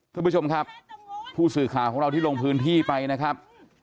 คุณผู้ชมครับผู้สื่อข่าวของเราที่ลงพื้นที่ไปนะครับ